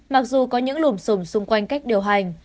mặc dù có những lùm xùm xung quanh cách điều hành